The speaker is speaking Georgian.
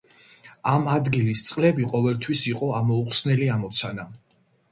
ამ ადგილის წყლები ყოველთვის იყო ამოუხსნელი ამოცანა.